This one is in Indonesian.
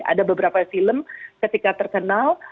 ada beberapa film ketika terkenal